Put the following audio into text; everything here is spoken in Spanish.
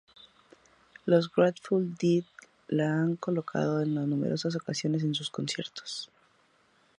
Los Grateful Dead la han tocado en numerosas ocasiones en sus conciertos.